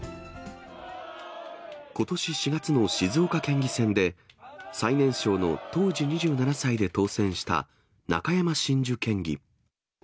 ことし４月の静岡県議選で、最年少の当時２７歳で当選した中山真珠県議。